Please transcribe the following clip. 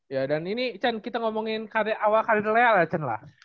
ya dan ini cen kita ngomongin awal karir lea lah cen lah